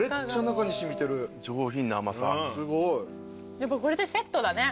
やっぱこれでセットだね。